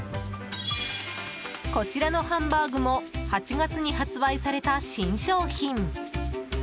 こちらのハンバーグも８月に発売された新商品。